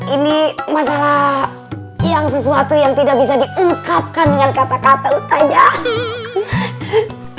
ini masalah yang sesuatu yang tidak bisa diungkapkan dengan kata kata